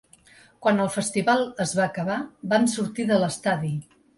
Quan el festival es va acabar, vam sortir de l’estadi.